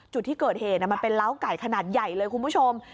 จุดที่เกิดเหตุมันเป็นล้าวไก่ขนาดใหญ่เลยคุณผู้ชม